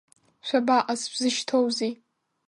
Шәабаҟаз, шәзышьҭоузеи?